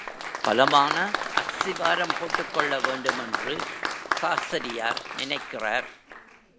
பலமான அஸ்திவாரம் போட்டுக் கொள்ள வேண்டுமென்று சாஸ்திரியார் நினைக்கிறார்.